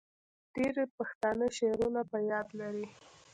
ډیری پښتانه شعرونه په یاد لري.